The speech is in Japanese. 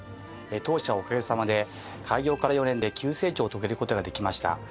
当社はおかげさまで開業から４年で急成長を遂げる事ができました。